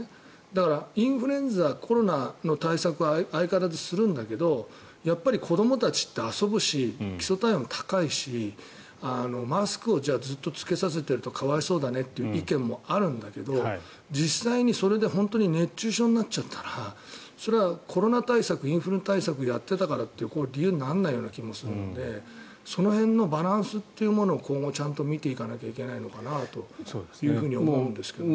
だから、インフルエンザコロナの対策は相変わらずするんだけどやっぱり子どもたちって遊ぶし、基礎体温高いしマスクをずっと着けさせていると可哀想だねという意見もあるんだけれど実際にそれで本当に熱中症になっちゃったらそれはコロナ対策インフル対策をやっていたという理由にならないような気もするのでその辺のバランスというものを今後ちゃんと見ていかないといけないのかなと思うんですけどね。